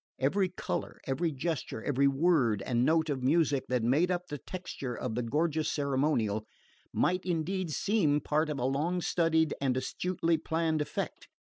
Every colour, every gesture, every word and note of music that made up the texture of the gorgeous ceremonial might indeed seem part of a long studied and astutely planned effect.